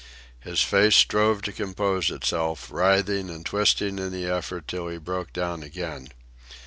His face strove to compose itself, writhing and twisting in the effort till he broke down again.